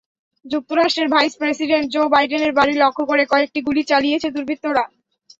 যুক্তরাষ্ট্রের vice president Joe বাইডেনের বাড়ি লক্ষ্য করে কয়েকটি গুলি চালিয়েছে দুর্বৃত্তরা।